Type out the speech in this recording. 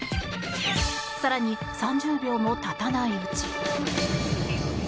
更に、３０秒も経たないうち。